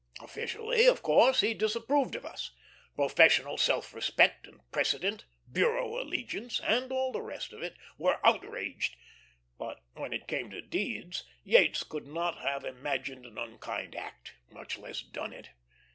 Officially, of course he disapproved of us; professional self respect and precedent, bureau allegiance, and all the rest of it, were outraged; but when it came to deeds, Yates could not have imagined an unkind act, much less done it.